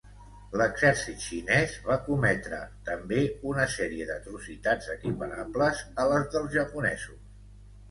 L'exèrcit xinès va cometre també una sèrie d'atrocitats equiparables a les dels japonesos.